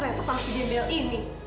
ternyata sama si gembel ini